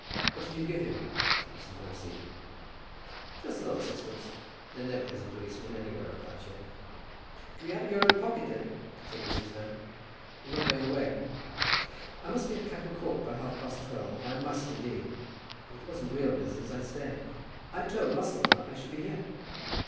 "What did you give him?" said Mrs. Van Siever. "Just another sixpence. There never is a policeman anywhere about here." "It'll be out of your own pocket, then," said Mrs. Van. "But you're not going away?" "I must be at Capel Court by half past twelve; I must, indeed. If it wasn't real business, I'd stay." "I told Musselboro I should be here."